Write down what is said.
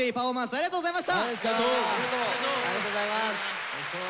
ありがとうございます。